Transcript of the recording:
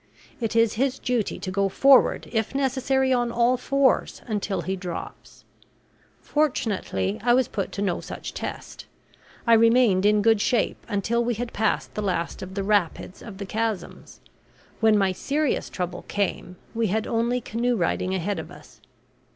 It is his duty to go forward, if necessary on all fours, until he drops. Fortunately, I was put to no such test. I remained in good shape until we had passed the last of the rapids of the chasms. When my serious trouble came we had only canoe riding ahead of us.